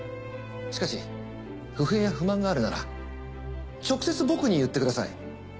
しかし不平や不満があるなら直接僕に言ってください。